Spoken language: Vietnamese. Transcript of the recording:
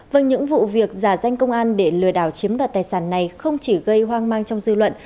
vâng những vụ việc giả danh công an để lừa đảo chiếm đoạt tài sản này không chỉ gây hoang mang trong dư luận